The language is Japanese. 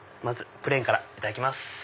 まずプレーンからいただきます。